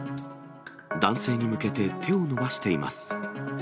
男性に向けて手を伸ばしています。